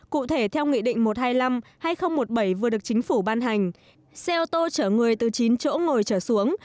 cụ thể theo nghị định một trăm hai mươi năm hai nghìn một mươi bảy vừa được chính phủ ban hành xe ô tô chở người từ chín chỗ ngồi trở xuống